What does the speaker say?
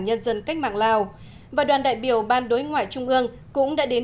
nhân dân cách mạng lào và đoàn đại biểu ban đối ngoại trung ương cũng đã đến